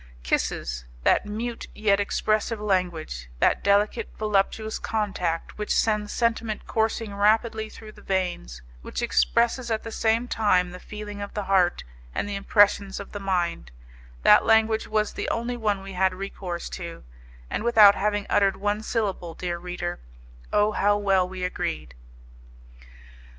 Kisses that mute, yet expressive language, that delicate, voluptuous contact which sends sentiment coursing rapidly through the veins, which expresses at the same time the feeling of the heart and the impressions of the mind that language was the only one we had recourse to, and without having uttered one syllable, dear reader, oh, how well we agreed!